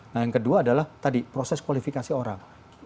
nah yang kedua adalah tadi proses kualifikasi orang